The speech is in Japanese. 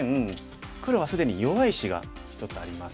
黒は既に弱い石が１つあります。